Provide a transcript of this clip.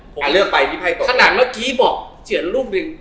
ถนัดเมื่อกี้บอกเฉียนลูกหนึ่ง